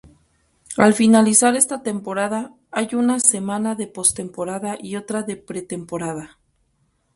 Al finalizar esta temporada, hay una semana de postemporada y otra de pretemporada.